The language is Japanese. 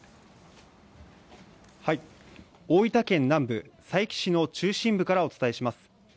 南部、佐伯市の中心部からお伝えします。